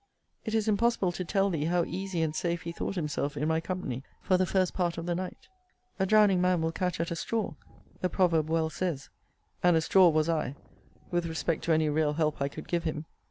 it is impossible to tell thee, how easy and safe he thought himself in my company, for the first part of the night: A drowning man will catch at a straw, the proverb well says: and a straw was I, with respect to any real help I could give him.